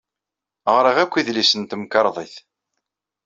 Ɣriɣ akk idlisen n temkarḍit.